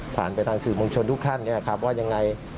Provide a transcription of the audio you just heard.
ผ่านไปทางสื่อมวลชนทุกท่านว่ายังไง